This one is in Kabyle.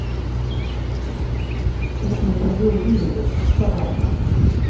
Akenyal-iw d idles, d taɣerma.